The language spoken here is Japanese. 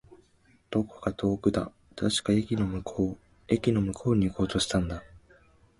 どこか遠くだ。確か、駅の向こう。駅の向こうに行こうとしたんだ。